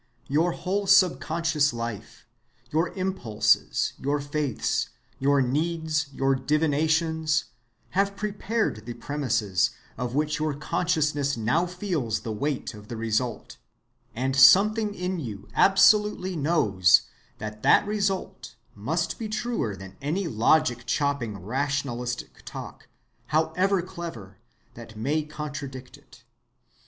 Your whole subconscious life, your impulses, your faiths, your needs, your divinations, have prepared the premises, of which your consciousness now feels the weight of the result; and something in you absolutely knows that that result must be truer than any logic‐chopping rationalistic talk, however clever, that may contradict it.